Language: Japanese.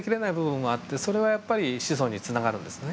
それはやっぱり子孫につながるんですね。